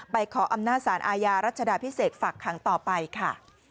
ขออำนาจสารอาญารัชดาพิเศษฝากขังต่อไปค่ะ